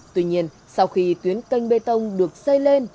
tuy nhiên sau khi tuyến canh bê tông được xây lên